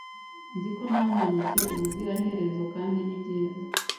Nzi ko ntamanutse ubuziraherezo kandi nibyiza